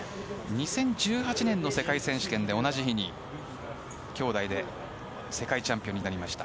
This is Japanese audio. ２０１８年の世界選手権で同じ日に兄妹で世界チャンピオンになりました。